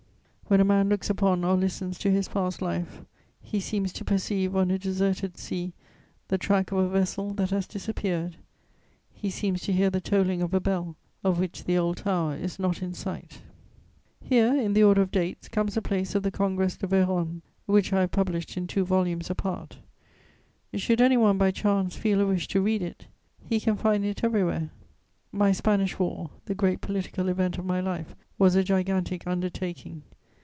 When a man looks upon or listens to his past life, he seems to perceive on a deserted sea the track of a vessel that has disappeared; he seems to hear the tolling of a bell of which the old tower is not in sight. Here, in the order of dates, comes the place of the Congrès de Vérone, which I have published in two volumes apart. Should any one, by chance, feel a wish to read it, he can find it everywhere. My Spanish War, the great political event of my life, was a gigantic undertaking.